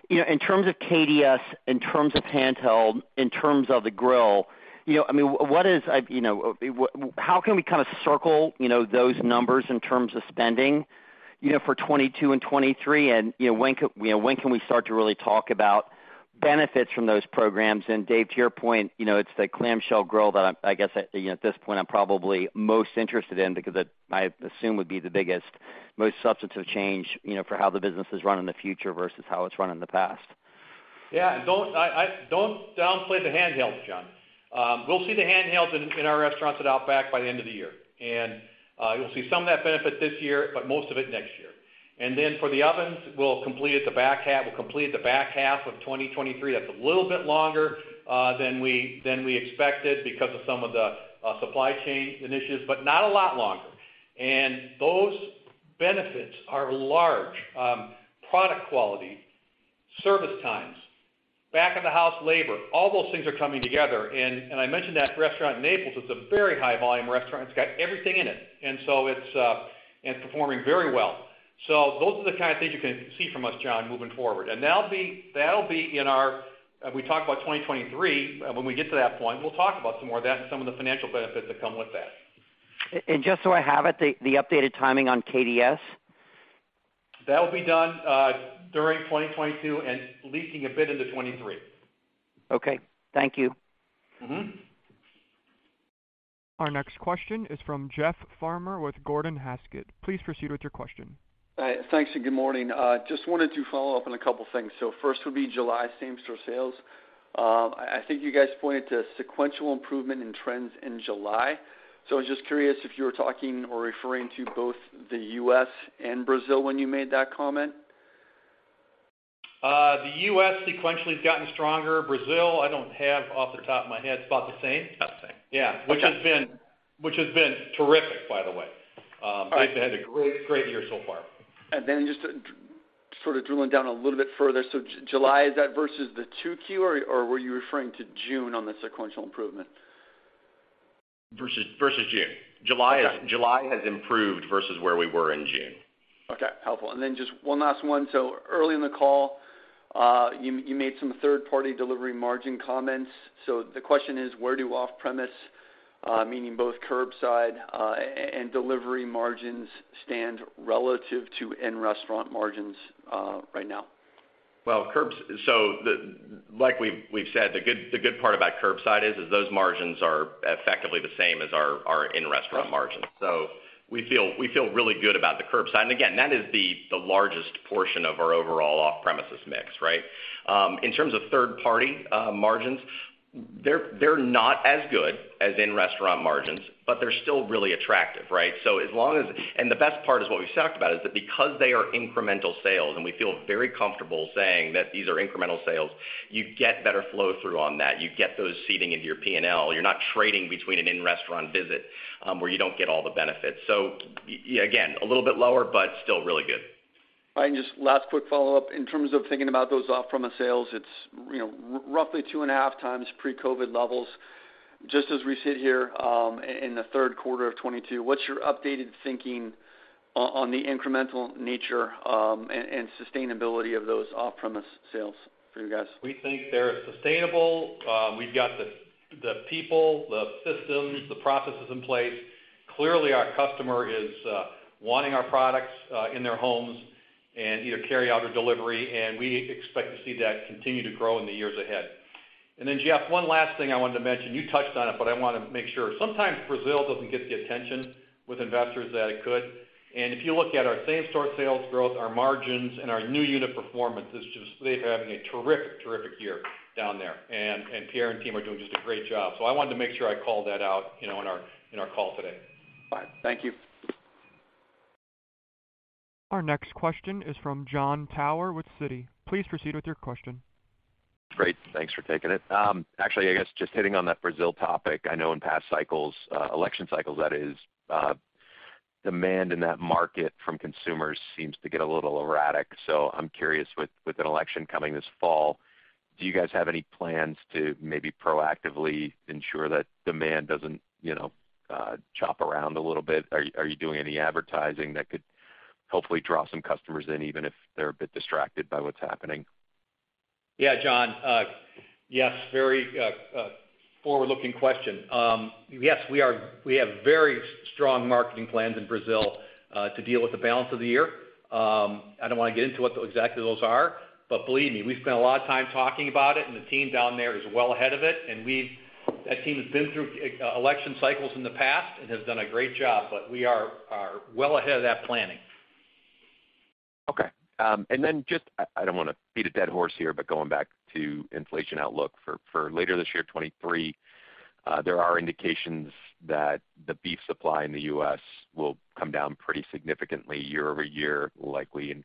You know, in terms of KDS, in terms of handheld, in terms of the grill, you know, I mean, what is, I've, you know, how can we kind of circle, you know, those numbers in terms of spending, you know, for 2022 and 2023? You know, when could, you know, when can we start to really talk about benefits from those programs? Dave, to your point, you know, it's the clamshell grill that I guess, you know, at this point I'm probably most interested in because it, I assume, would be the biggest, most substantive change, you know, for how the business is run in the future versus how it's run in the past. Don't downplay the handhelds, John. We'll see the handhelds in our restaurants at Outback by the end of the year. You'll see some of that benefit this year, but most of it next year. For the ovens, we'll complete the back half of 2023. That's a little bit longer than we expected because of some of the supply chain initiatives, but not a lot longer. Those benefits are large. Product quality, service times, back of the house labor, all those things are coming together. I mentioned that restaurant in Naples. It's a very high volume restaurant. It's got everything in it. It's performing very well. Those are the kind of things you can see from us, John, moving forward. We talked about 2023. When we get to that point, we'll talk about some more of that and some of the financial benefits that come with that. Just so I have it, the updated timing on KDS? That'll be done during 2022 and leaking a bit into 2023. Okay. Thank you. Our next question is from Jeff Farmer with Gordon Haskett. Please proceed with your question. Thanks and good morning. Just wanted to follow up on a couple things. First would be July same-store sales. I think you guys pointed to sequential improvement in trends in July. I was just curious if you were talking or referring to both the U.S. and Brazil when you made that comment? The U.S. sequentially has gotten stronger. Brazil, I don't have off the top of my head. It's about the same. About the same. Which has been terrific, by the way. They've had a great year so far. Just to sort of drilling down a little bit further. July, is that versus the 2Q or were you referring to June on the sequential improvement? Versus June. July has Okay. July has improved versus where we were in June. Okay. Helpful. Then just one last one. Early in the call, you made some third-party delivery margin comments. The question is where do off-premise, meaning both curbside, and delivery margins stand relative to in-restaurant margins, right now? Like we've said, the good part about curbside is those margins are effectively the same as our in-restaurant margins. We feel really good about the curbside. Again, that is the largest portion of our overall off-premises mix, right? In terms of third-party margins, they're not as good as in-restaurant margins, but they're still really attractive, right? The best part is what we've talked about is that because they are incremental sales, and we feel very comfortable saying that these are incremental sales, you get better flow through on that. You get those feeding into your P&L. You're not trading between an in-restaurant visit where you don't get all the benefits. Again, a little bit lower, but still really good. Just last quick follow-up. In terms of thinking about those off-premise sales, it's, you know, roughly 2.5x pre-COVID levels. Just as we sit here, in the third quarter of 2022, what's your updated thinking on the incremental nature, and sustainability of those off-premise sales for you guys? We think they're sustainable. We've got the people, the systems, the processes in place. Clearly, our customer is wanting our products in their homes and either carryout or delivery, and we expect to see that continue to grow in the years ahead. Jeff, one last thing I wanted to mention. You touched on it, but I wanna make sure. Sometimes Brazil doesn't get the attention with investors that it could. If you look at our same-store sales growth, our margins, and our new unit performance, it's just they're having a terrific year down there. Pierre and team are doing just a great job. I wanted to make sure I called that out, you know, in our call today. Fine. Thank you. Our next question is from Jon Tower with Citi. Please proceed with your question. Great. Thanks for taking it. Actually, I guess just hitting on that Brazil topic. I know in past election cycles, demand in that market from consumers seems to get a little erratic. I'm curious, with an election coming this fall, do you guys have any plans to maybe proactively ensure that demand doesn't, you know, chop around a little bit? Are you doing any advertising that could hopefully draw some customers in, even if they're a bit distracted by what's happening? Yeah, John. Yes, very forward-looking question. We have very strong marketing plans in Brazil to deal with the balance of the year. I don't wanna get into what exactly those are, but believe me, we've spent a lot of time talking about it, and the team down there is well ahead of it. That team has been through election cycles in the past and has done a great job, but we are well ahead of that planning. Okay. I don't wanna beat a dead horse here, but going back to inflation outlook for later this year, 2023, there are indications that the beef supply in the U.S. will come down pretty significantly year-over-year, likely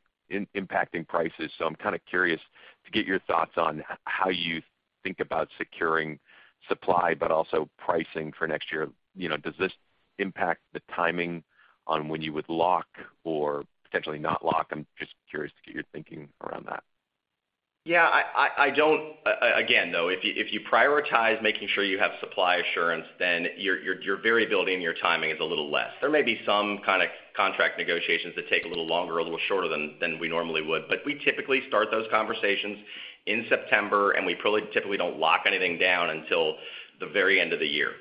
impacting prices. I'm kinda curious to get your thoughts on how you think about securing supply, but also pricing for next year. You know, does this impact the timing on when you would lock or potentially not lock? I'm just curious to get your thinking around that. Yeah, I don't again, though, if you prioritize making sure you have supply assurance, then your variability in your timing is a little less. There may be some kinda contract negotiations that take a little longer or a little shorter than we normally would. We typically start those conversations in September, and we probably typically don't lock anything down until the very end of the year.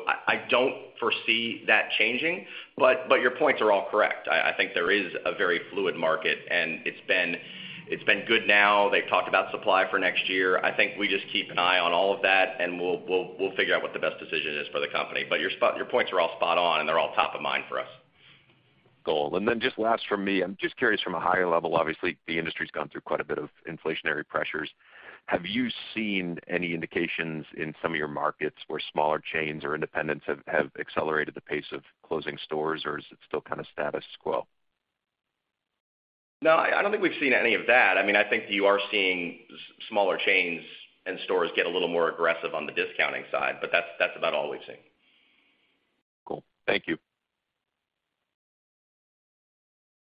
I don't foresee that changing, but your points are all correct. I think there is a very fluid market, and it's been good now. They've talked about supply for next year. I think we just keep an eye on all of that, and we'll figure out what the best decision is for the company. Your points are all spot on, and they're all top of mind for us. Cool. Just last from me, I'm just curious from a higher level, obviously, the industry's gone through quite a bit of inflationary pressures. Have you seen any indications in some of your markets where smaller chains or independents have accelerated the pace of closing stores, or is it still kind of status quo? No, I don't think we've seen any of that. I mean, I think you are seeing smaller chains and stores get a little more aggressive on the discounting side, but that's about all we've seen. Cool. Thank you.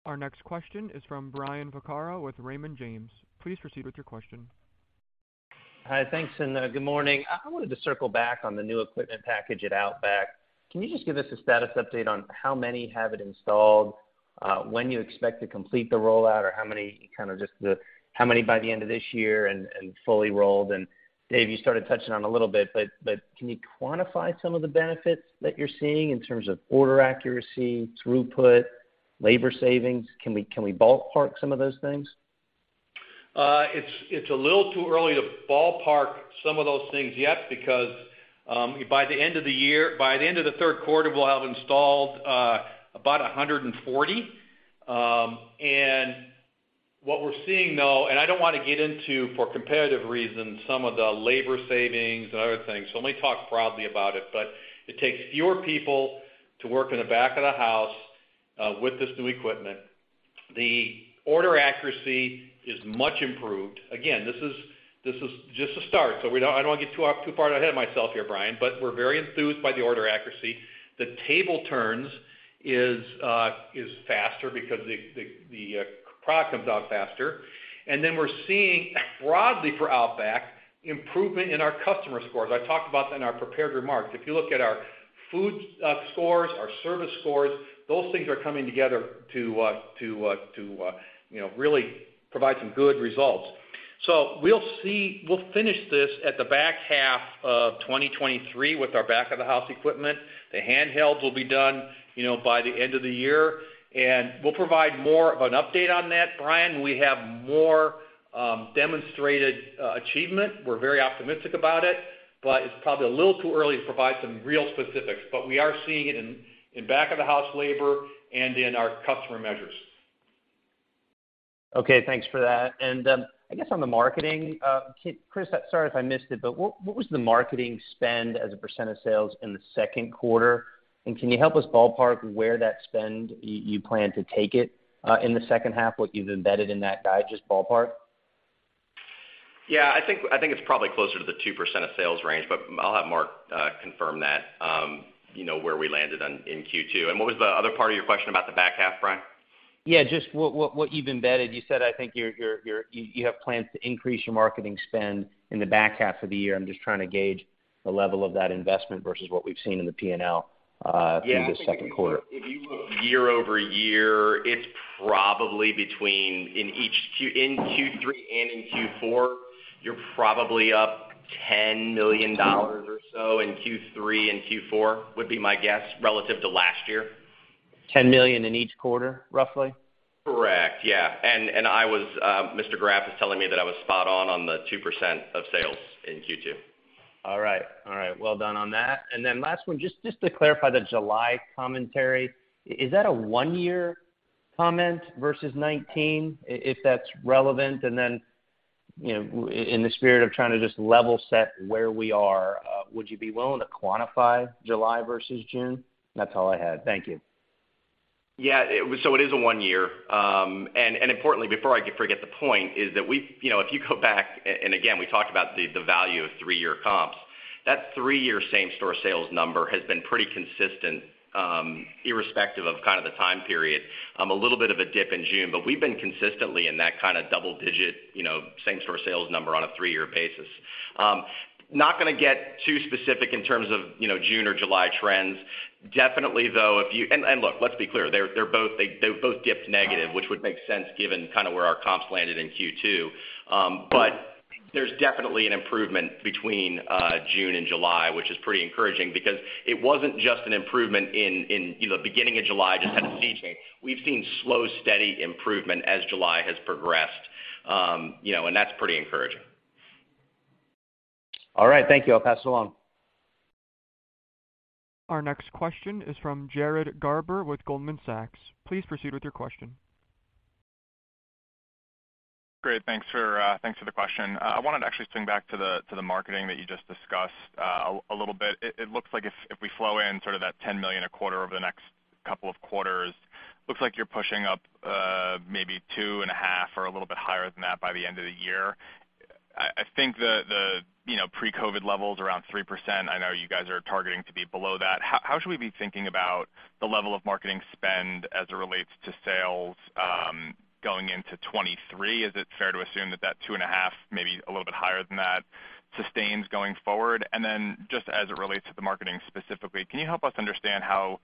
Our next question is from Brian Vaccaro with Raymond James. Please proceed with your question. Hi. Thanks, and good morning. I wanted to circle back on the new equipment package at Outback. Can you just give us a status update on how many have it installed, when you expect to complete the rollout, or how many, kind of just the how many by the end of this year and fully rolled? Dave, you started touching on a little bit, but can you quantify some of the benefits that you're seeing in terms of order accuracy, throughput, labor savings? Can we ballpark some of those things? It's a little too early to ballpark some of those things yet because by the end of the year, by the end of the third quarter, we'll have installed about 140. What we're seeing though, and I don't wanna get into, for competitive reasons, some of the labor savings and other things, so let me talk broadly about it. It takes fewer people to work in the back of the house with this new equipment. The order accuracy is much improved. Again, this is just a start, so I don't wanna get too far ahead of myself here, Brian, but we're very enthused by the order accuracy. The table turns is faster because the product comes out faster. We're seeing broadly for Outback, improvement in our customer scores. I talked about that in our prepared remarks. If you look at our food scores, our service scores, those things are coming together to you know really provide some good results. We'll finish this at the back half of 2023 with our back of the house equipment. The handhelds will be done you know by the end of the year, and we'll provide more of an update on that, Brian, when we have more demonstrated achievement. We're very optimistic about it, but it's probably a little too early to provide some real specifics. We are seeing it in back of the house labor and in our customer measures. Okay. Thanks for that. I guess on the marketing, Chris, sorry if I missed it, but what was the marketing spend as a percent of sales in the second quarter? Can you help us ballpark where that spend you plan to take it in the second half, what you've embedded in that guide, just ballpark? Yeah, I think it's probably closer to the 2% of sales range, but I'll have Mark confirm that, you know, where we landed on in Q2. What was the other part of your question about the back half, Brian? Yeah, just what you've embedded. You said, I think you have plans to increase your marketing spend in the back half of the year. I'm just trying to gauge the level of that investment versus what we've seen in the P&L through the second quarter. Yeah. If you look year-over-year, it's probably in Q3 and in Q4, you're probably up $10 million or so in Q3 and Q4, would be my guess, relative to last year. $10 million in each quarter, roughly? Correct. Yeah. Mr. Graff was telling me that I was spot on on the 2% of sales in Q2. All right. Well done on that. Last one, just to clarify the July commentary. Is that a one-year comment versus 2019, if that's relevant? You know, in the spirit of trying to just level set where we are, would you be willing to quantify July versus June? That's all I had. Thank you. It is a one-year. Importantly, before I forget, the point is that we, you know, if you go back, and again, we talked about the value of three-year comps, that three-year same-store sales number has been pretty consistent, irrespective of kind of the time period. A little bit of a dip in June, but we've been consistently in that kind of double-digit, you know, same-store sales number on a three-year basis. Not gonna get too specific in terms of, you know, June or July trends. Definitely, though, and look, let's be clear, they both dipped negative, which would make sense given kind of where our comps landed in Q2. There's definitely an improvement between June and July, which is pretty encouraging because it wasn't just an improvement in you know, beginning of July just had a sea change. We've seen slow, steady improvement as July has progressed. You know, that's pretty encouraging. All right. Thank you. I'll pass it along. Our next question is from Jared Garber with Goldman Sachs. Please proceed with your question. Great. Thanks for the question. I wanted to actually swing back to the marketing that you just discussed, a little bit. It looks like if we flow in sort of that $10 million a quarter over the next couple of quarters, looks like you're pushing up, maybe 2.5% or a little bit higher than that by the end of the year. I think the, you know, pre-COVID levels around 3%, I know you guys are targeting to be below that. How should we be thinking about the level of marketing spend as it relates to sales, going into 2023? Is it fair to assume that 2.5%, maybe a little bit higher than that, sustains going forward? Then just as it relates to the marketing specifically, can you help us understand how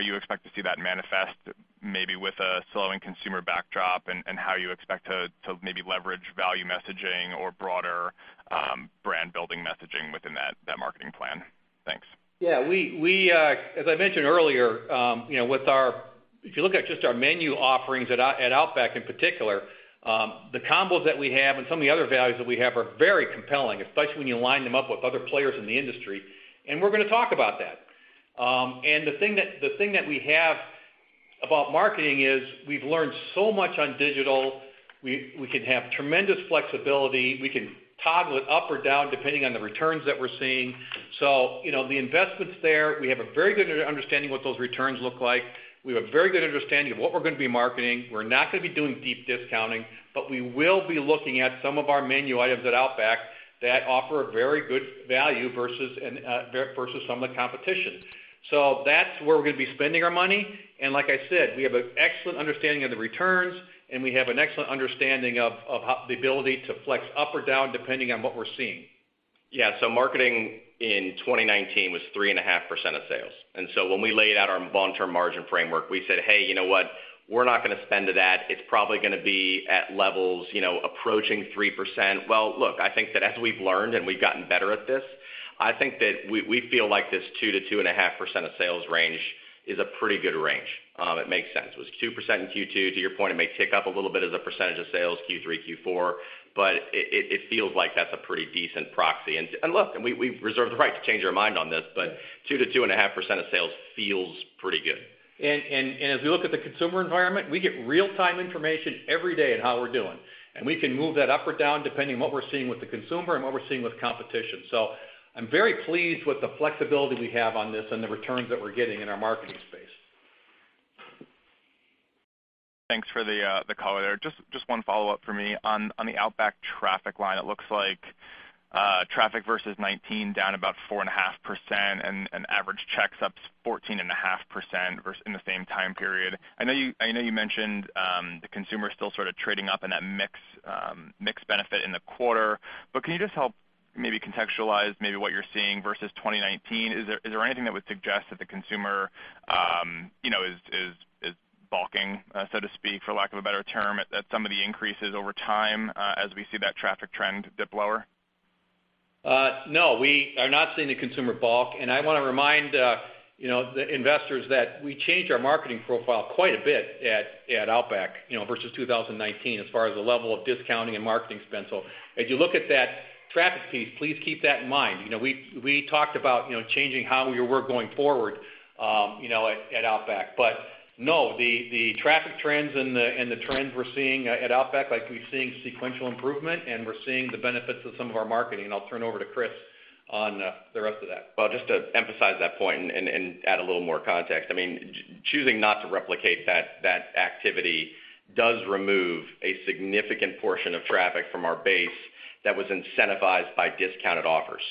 you expect to see that manifest maybe with a slowing consumer backdrop and how you expect to maybe leverage value messaging or broader, brand building messaging within that marketing plan? Thanks. Yeah, we as I mentioned earlier, you know, with our if you look at just our menu offerings at Outback in particular, the combos that we have and some of the other values that we have are very compelling, especially when you line them up with other players in the industry, and we're gonna talk about that. The thing that we have about marketing is we've learned so much on digital. We can have tremendous flexibility. We can toggle it up or down depending on the returns that we're seeing. You know, the investment's there. We have a very good understanding what those returns look like. We have a very good understanding of what we're gonna be marketing. We're not gonna be doing deep discounting, but we will be looking at some of our menu items at Outback that offer a very good value versus some of the competition. That's where we're gonna be spending our money. Like I said, we have an excellent understanding of the returns, and we have an excellent understanding of how the ability to flex up or down depending on what we're seeing. Yeah. Marketing in 2019 was 3.5% of sales. When we laid out our long-term margin framework, we said, "Hey, you know what? We're not gonna spend to that. It's probably gonna be at levels, you know, approaching 3%." Well, look, I think that as we've learned and we've gotten better at this, I think that we feel like this 2%-2.5% of sales range is a pretty good range. It makes sense. It was 2% in Q2. To your point, it may tick up a little bit as a percentage of sales Q3, Q4, but it feels like that's a pretty decent proxy. Look, and we reserve the right to change our mind on this, but 2%-2.5% of sales feels pretty good. As we look at the consumer environment, we get real-time information every day in how we're doing, and we can move that up or down depending on what we're seeing with the consumer and what we're seeing with competition. I'm very pleased with the flexibility we have on this and the returns that we're getting in our marketing space. Thanks for the color there. Just one follow-up for me. On the Outback traffic line, it looks like traffic versus 2019 down about 4.5% and average checks up 14.5% in the same time period. I know you mentioned the consumer still sort of trading up in that mix benefit in the quarter. Can you just help maybe contextualize maybe what you're seeing versus 2019? Is there anything that would suggest that the consumer you know is bulking so to speak for lack of a better term at some of the increases over time as we see that traffic trend dip lower? No, we are not seeing the consumer bulk. I wanna remind you know the investors that we changed our marketing profile quite a bit at Outback, you know, versus 2019 as far as the level of discounting and marketing spend. As you look at that traffic piece, please keep that in mind. You know, we talked about you know changing how we were going forward you know at Outback. No, the traffic trends and the trends we're seeing at Outback, like we're seeing sequential improvement and we're seeing the benefits of some of our marketing. I'll turn over to Chris on the rest of that. Well, just to emphasize that point and add a little more context. I mean, choosing not to replicate that activity does remove a significant portion of traffic from our base that was incentivized by discounted offers.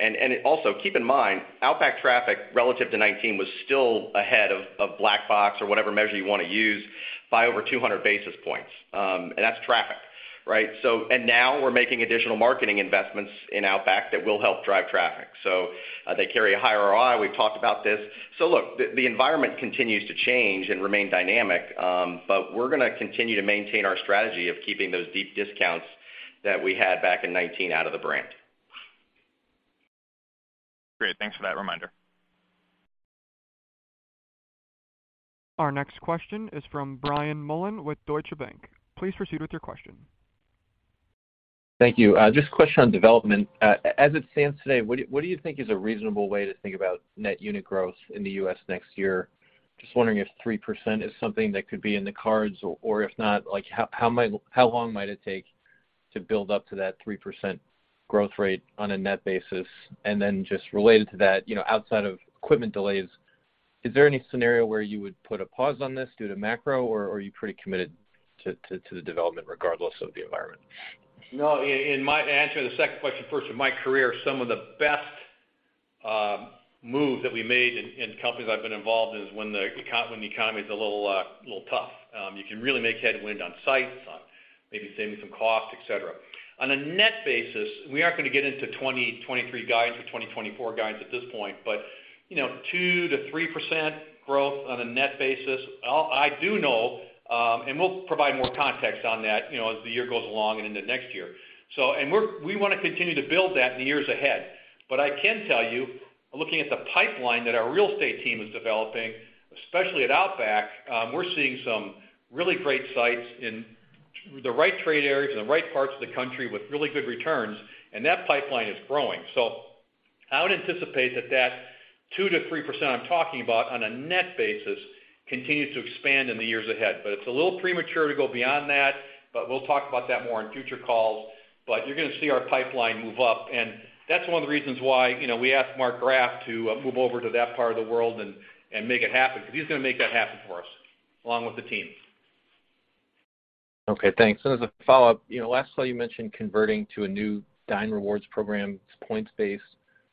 And also, keep in mind, Outback traffic relative to 2019 was still ahead of Black Box or whatever measure you wanna use by over 200 basis points. That's traffic, right? Now we're making additional marketing investments in Outback that will help drive traffic. they carry a higher ROI. We've talked about this. look, the environment continues to change and remain dynamic, but we're gonna continue to maintain our strategy of keeping those deep discounts that we had back in 2019 out of the brand. Great. Thanks for that reminder. Our next question is from Brian Mullan with Deutsche Bank. Please proceed with your question. Thank you. Just a question on development. As it stands today, what do you think is a reasonable way to think about net unit growth in the U.S. next year? Just wondering if 3% is something that could be in the cards, or if not, like, how long might it take to build up to that 3% growth rate on a net basis? Then just related to that, you know, outside of equipment delays, is there any scenario where you would put a pause on this due to macro, or are you pretty committed to the development regardless of the environment? To answer the second question first, in my career, some of the best moves that we made in companies I've been involved is when the economy is a little tough. You can really make headwind on sites, on maybe saving some costs, et cetera. On a net basis, we aren't gonna get into 2023 guides or 2024 guides at this point, but you know, 2%-3% growth on a net basis, I do know, and we'll provide more context on that, you know, as the year goes along and into next year. We want to continue to build that in the years ahead. I can tell you, looking at the pipeline that our real estate team is developing, especially at Outback, we're seeing some really great sites in the right trade areas, in the right parts of the country with really good returns, and that pipeline is growing. I would anticipate that 2%-3% I'm talking about on a net basis continues to expand in the years ahead. It's a little premature to go beyond that, but we'll talk about that more in future calls. You're gonna see our pipeline move up, and that's one of the reasons why, you know, we asked Mark Graff to move over to that part of the world and make it happen, because he's gonna make that happen for us, along with the team. Okay, thanks. As a follow-up, you know, last call you mentioned converting to a new Dine Rewards program. It's points-based.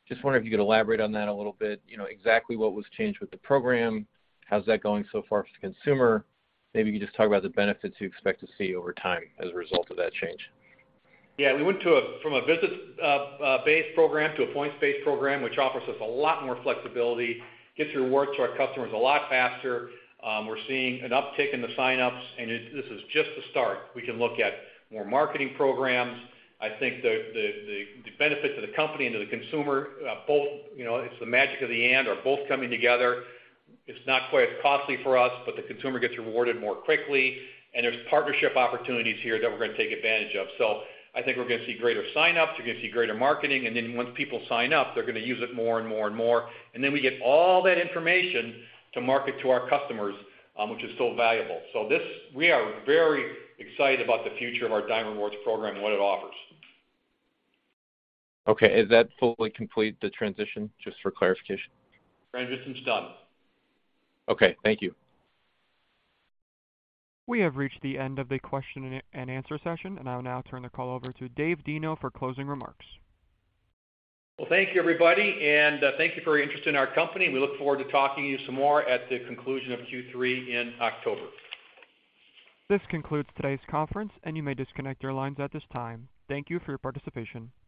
Just wondering if you could elaborate on that a little bit. You know, exactly what was changed with the program? How's that going so far with the consumer? Maybe you can just talk about the benefits you expect to see over time as a result of that change. Yeah. We went from a visit-based program to a points-based program, which offers us a lot more flexibility, gets rewards to our customers a lot faster. We're seeing an uptick in the signups, and this is just the start. We can look at more marketing programs. I think the benefit to the company and to the consumer, both, you know, it's the magic of the and are both coming together. It's not quite costly for us, but the consumer gets rewarded more quickly, and there's partnership opportunities here that we're gonna take advantage of. I think we're gonna see greater signups, we're gonna see greater marketing, and then once people sign up, they're gonna use it more and more and more. Then we get all that information to market to our customers, which is so valuable. We are very excited about the future of our Dine Rewards program and what it offers. Okay. Is that fully complete, the transition? Just for clarification. Transition's done. Okay, thank you. We have reached the end of the question and answer session, and I'll now turn the call over to Dave Deno for closing remarks. Well, thank you, everybody, and thank you for your interest in our company. We look forward to talking to you some more at the conclusion of Q3 in October. This concludes today's conference, and you may disconnect your lines at this time. Thank you for your participation.